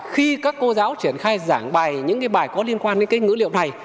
khi các cô giáo triển khai giảng bài những bài có liên quan đến những ngữ liệu này